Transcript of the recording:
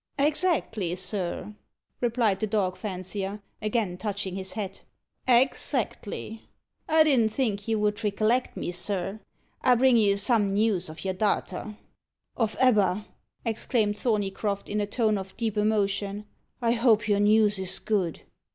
"Exactly, sir," replied the dog fancier, again touching his hat, "ex actly. I didn't think you would rekilect me, sir. I bring you some news of your darter." "Of Ebba!" exclaimed Thorneycroft, in a tone of deep emotion. "I hope your news is good."